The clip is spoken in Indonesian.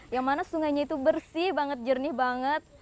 yang mana sungainya itu bersih banget jernih banget